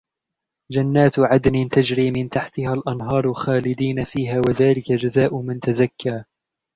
جنات عدن تجري من تحتها الأنهار خالدين فيها وذلك جزاء من تزكى